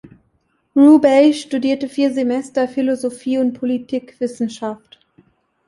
Rubey studierte vier Semester Philosophie und Politikwissenschaft.